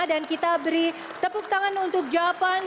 dan kita beri tepuk tangan untuk javan